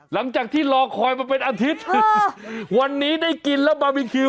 หลังจากที่รอคอยมาเป็นอาทิตย์วันนี้ได้กินแล้วบาร์บีคิว